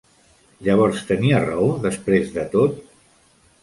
Llavors, tenia raó després de tot?